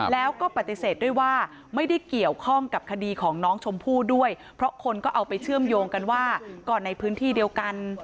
แล้วก็ปฏิเสธด้วยว่าไม่ได้เกี่ยวข้องกับคดีของน้องชมพู่ด้วยเพราะคนก็เอาไปเชื่อมโยงกันว่าก็ในพื้นที่เดียวกัน